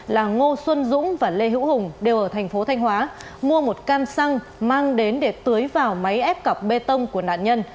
là ngô xuân dũng và lê hữu hùng đều ở thành phố thanh hóa mua một can xăng mang đến để tưới vào máy ép cọc bê tông của nạn nhân